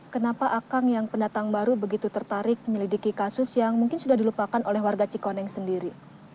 kenapa akang yang pendatang baru begitu tertarik menyelidiki kasus yang mungkin sudah dilupakan oleh warga cikoneng sendiri